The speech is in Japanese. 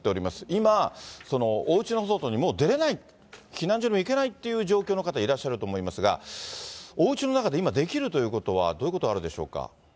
今、おうちの外にもう出れない、避難所にも行けないという方がいらっしゃると思いますが、おうちの中で今、できるということはどういうことがあるでしょうか。